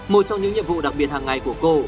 một trong những nhiệm vụ đặc biệt hàng ngày của cô